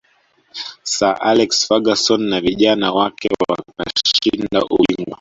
sir alex ferguson na vijana wake wakashinda ubingwa